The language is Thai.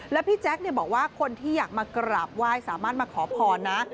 แล้วพี่แจ๊คบอกว่าคนที่อยากมากราบไหว้สามารถมาขอพรนะ